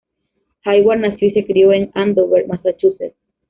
Hayward nació y se crió en Andover, Massachusetts.